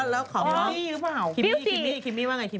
แล้วของคิมมี่คือเปล่า